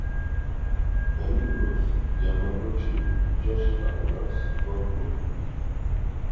Hemindos germaǩoçi ncaşi ǩap̌ulas dot̆ǩobu.